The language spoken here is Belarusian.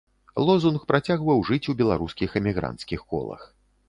Лозунг працягваў жыць у беларускіх эмігранцкіх колах.